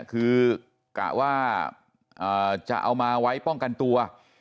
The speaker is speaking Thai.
คือกะว่าจะเอามาไว้ป้องกันตัว